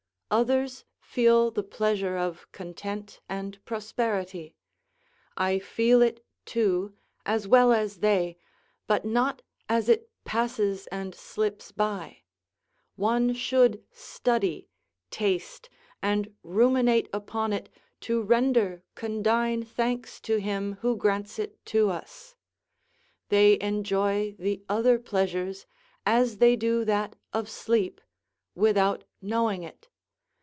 Others feel the pleasure of content and prosperity; I feel it too, as well as they, but not as it passes and slips by; one should study, taste, and ruminate upon it to render condign thanks to Him who grants it to us. They enjoy the other pleasures as they do that of sleep, without knowing it.